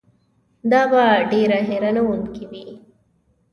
دا به ډېره حیرانوونکې وي.